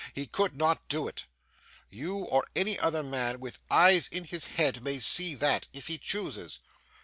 He could not do it. You or any other man with eyes in his head may see that, if he chooses.